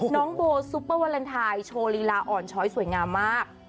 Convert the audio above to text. น้องโบซุปเปอร์วาเลนไทยโชว์ลีลาอ่อนช้อยสวยงามมาก